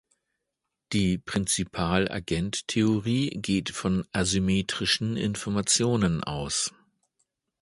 Die Prinzipal-Agent-Theorie geht von asymmetrischen Informationen aus.